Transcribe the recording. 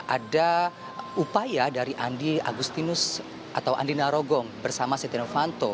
ada upaya dari andi agustinus atau andi narogong bersama setia novanto